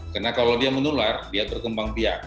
karena kalau dia menular dia berkembang biak